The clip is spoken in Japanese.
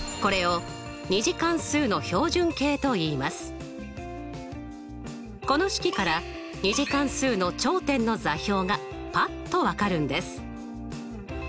−ｑを移項してこの式から２次関数の頂点の座標がパッとわかるんです！